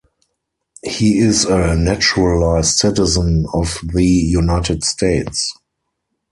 He is a naturalized citizen of the United States.